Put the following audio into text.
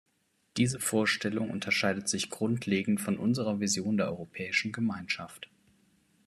Diese Vorstellung unterscheidet sich grundlegend von unserer Vision der europäischen Gemeinschaft.